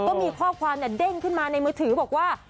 ก็มีข้อความเด้งขึ้นมาในมือถือบอกว่า